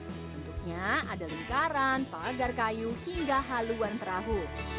bentuknya ada lingkaran pagar kayu hingga haluan perahu